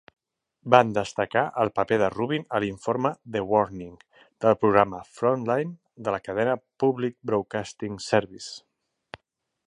Van destacar el paper de Rubin a l'informe "The Warning", del programa 'Frontline' de la cadena Public Broadcasting Service.